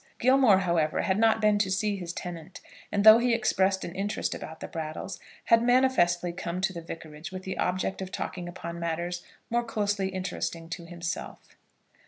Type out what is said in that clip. Gilmore, however, had not been to see his tenant; and though he expressed an interest about the Brattles, had manifestly come to the Vicarage with the object of talking upon matters more closely interesting to himself.